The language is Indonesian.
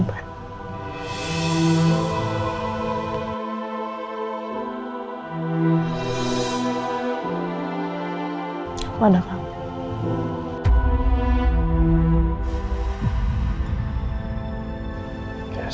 tapi untungnya aku punya suami yang hebat